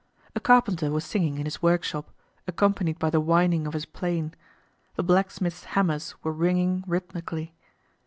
A carpenter was singing in his work shop, accompanied by the whining of his plane. The blacksmith's hammers were ringing rhythmically.